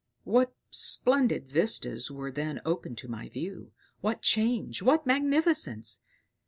What splendid vistas were then opened to my view! What change what magnificence!